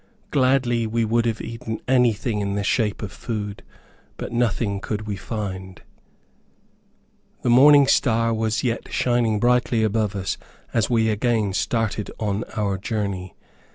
Gladly would we have eaten anything in the shape of food, but nothing could we find. The morning star was yet shining brightly above us, as we again started on our journey.